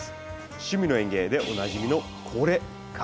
「趣味の園芸」でおなじみの「これ、かっこイイぜ！」。